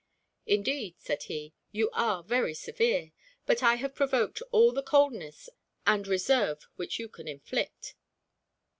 "Indeed," said he, "you are very severe; but I have provoked all the coldness and reserve which you can inflict.